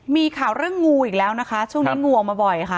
มีข่าวเรื่องงูอีกแล้วนะคะช่วงนี้งูออกมาบ่อยค่ะ